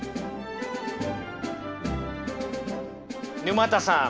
沼田さん